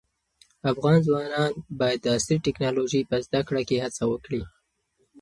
افغان ځوانان باید د عصري ټیکنالوژۍ په زده کړه کې هڅه وکړي.